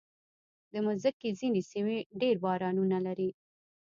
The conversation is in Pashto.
د مځکې ځینې سیمې ډېر بارانونه لري.